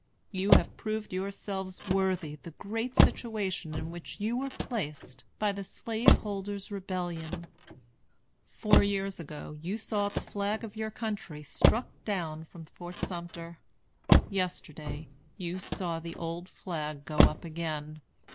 You have proved yourselves worthy the great situation in which you were placed by the Slaveholders' Rebellion. Four years ago you saw the flag of your country struck down from Fort Sumter; yesterday you saw the old flag go up again.